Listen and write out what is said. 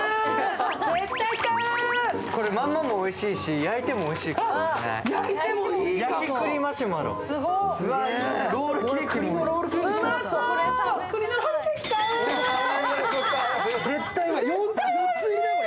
これまんまもおいしいし、焼いてもおいしいかもね。